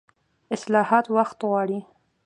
اصلاحات وخت غواړي